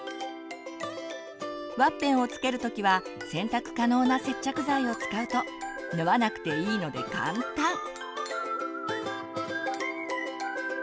ワッペンをつける時は洗濯可能な接着剤を使うと縫わなくていいので簡単！